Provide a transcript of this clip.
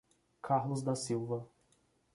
Carlos da Silva